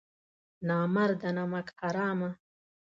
نامرده نمک حرامه!